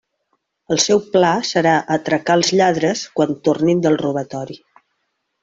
El seu pla serà atracar els lladres quan tornin del robatori.